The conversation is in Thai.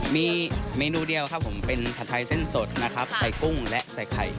มีเมนูเดียวครับผมเป็นผัดไทยเส้นสดนะครับใส่กุ้งและใส่ไข่